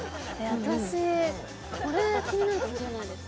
私これ気になるかもしれないです